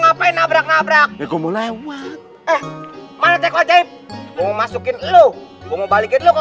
ngapain nabrak nabrak itu mau lewat eh mana teko zain mau masukin lu mau balikin lu ke